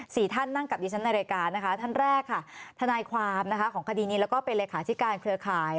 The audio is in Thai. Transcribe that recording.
สี่ท่านนั่งกับดิฉันในรายการนะคะท่านแรกค่ะทนายความนะคะของคดีนี้แล้วก็เป็นเลขาธิการเครือข่าย